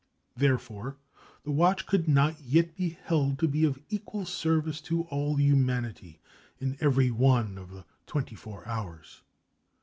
Therefore, the watch could not yet be held to be of equal service to all humanity in every one of the twenty four hours.